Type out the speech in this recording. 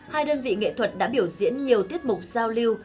hai đơn vị nghệ thuật đã biểu diễn nhiều tiết mục giao lưu